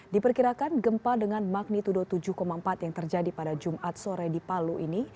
diperkirakan gempa dengan magnitudo tujuh empat yang terjadi pada jumat sore di palu ini